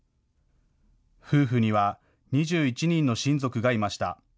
夫婦には２１人の親族がいました。